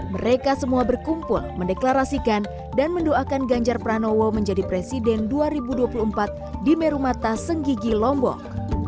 mereka semua berkumpul mendeklarasikan dan mendoakan ganjar pranowo menjadi presiden dua ribu dua puluh empat di merumata senggigi lombok